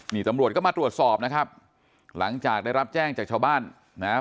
นี่ตำรวจก็มาตรวจสอบนะครับหลังจากได้รับแจ้งจากชาวบ้านนะครับ